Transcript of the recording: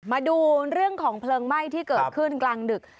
มาดูเรื่องของเพลิงไหม้ที่เกิดขึ้นกลางดึก